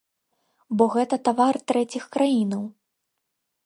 Бо гэта тавар трэціх краінаў.